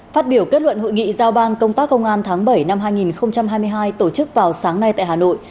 phát biểu kết luận hội nghị giao ban công tác công an tháng bảy năm hai nghìn hai mươi hai tổ chức vào sáng nay tại hà nội